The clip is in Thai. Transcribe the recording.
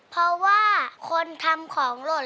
เพราะว่าคนทำของหล่น